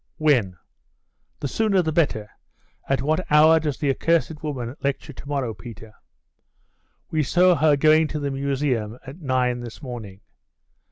'When?' 'The sooner the better. At what hour does the accursed woman lecture to morrow, Peter?' 'We saw her going to the Museum at nine this morning.